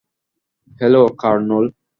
Hello, Kurnool!